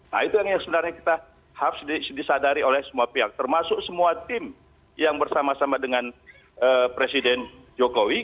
nah itu yang sebenarnya kita harus disadari oleh semua pihak termasuk semua tim yang bersama sama dengan presiden jokowi